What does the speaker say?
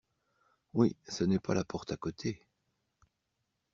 Oui, ce n’est pas la porte à côté.